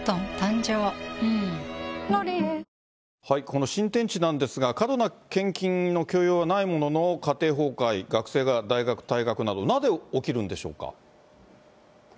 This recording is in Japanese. この新天地なんですが、過度な献金の強要はないものの、家庭崩壊、学生が大学退学など、なぜ起きるんでしょうか。